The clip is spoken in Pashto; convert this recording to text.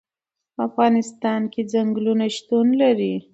په افغانستان کې چنګلونه شتون لري.